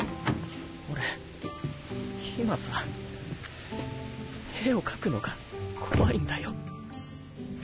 俺今さ絵を描くのが怖いんだよ。